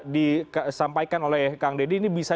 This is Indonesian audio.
disampaikan oleh kang deddy ini bisa